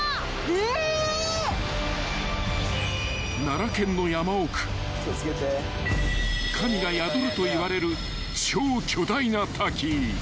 ［奈良県の山奥神が宿るといわれる超巨大な滝］